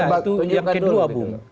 itu yang kedua